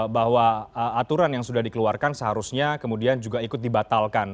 bahwa aturan yang sudah dikeluarkan seharusnya kemudian juga ikut dibatalkan